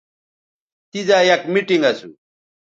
تیزا یک میٹنگ اسو